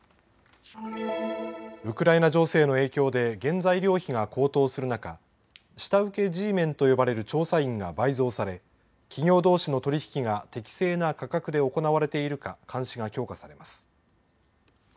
ウクライナ情勢の影響で原材料費が高騰する中、下請けＧメンと呼ばれる調査員が倍増され企業どうしの取り引きが適正な価格で行われているか監視が強化されます。